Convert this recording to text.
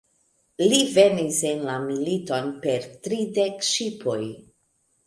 Li venis en la militon per tridek ŝipoj.